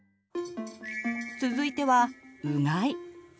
続いてはうがい。